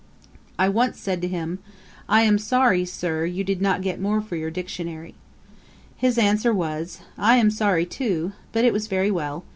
I once said to him, 'I am sorry, Sir, you did not get more for your Dictionary'. His answer was, 'I am sorry, too. But it was very well.